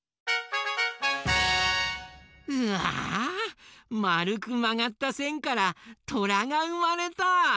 うわまるくまがったせんからトラがうまれた！